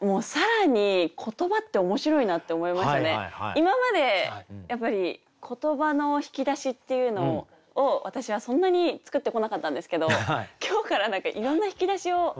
今までやっぱり言葉の引き出しっていうのを私はそんなに作ってこなかったんですけど今日からいろんな引き出しを持ちたいなって思いました。